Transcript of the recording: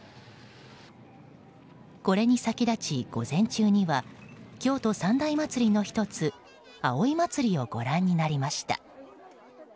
これに先立ち午前中には京都三大祭りの１つ葵祭をご覧になりました。